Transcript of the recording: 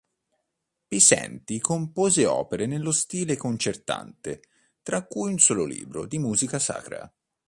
Pesenti compose opere nello stile concertante, tra cui un solo libro di musica sacra.